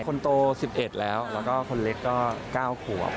คนโต๑๑แล้วแล้วก็คนเล็กก็๙ขวบ